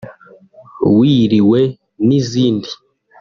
Wiriwe n’izindi